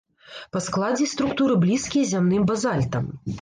Па складзе і структуры блізкія зямным базальтам.